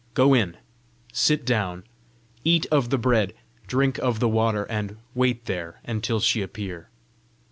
Go in; sit down; eat of the bread; drink of the water; and wait there until she appear.